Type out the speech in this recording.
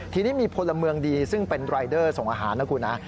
ทีนี้มีพลเมืองดีซึ่งเป็นรายเดอร์ส่งอาหารนะคุณนะ